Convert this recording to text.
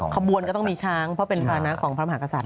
ขบวนก็ต้องมีช้างเพราะเป็นภานะของพระมหากษัตริย